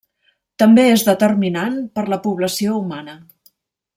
També és determinant per la població humana.